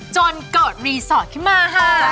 จนกดรีสอร์ตขึ้นมา